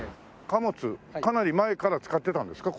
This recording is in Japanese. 貨物かなり前から使ってたんですか？